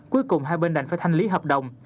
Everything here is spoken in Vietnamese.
cuối cùng hai bên đành phải thanh lý hợp đồng